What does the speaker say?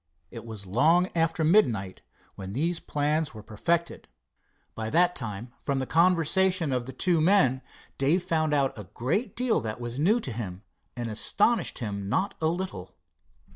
It was long after midnight when these plans were perfected. By that time, from the conversation of the two men, Dave found out a great deal that was new to him, and astonished him not a little.